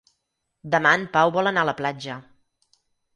Demà en Pau vol anar a la platja.